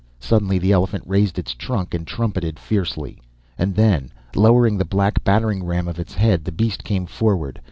Suddenly the elephant raised its trunk and trumpeted fiercely. And then, lowering the black battering ram of its head, the beast came forward.